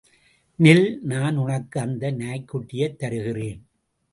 நில், நான் உனக்கு அந்த நாய்க் குட்டியைத் தருகிறேன்.